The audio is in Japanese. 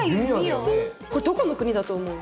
これどこの国だと思う？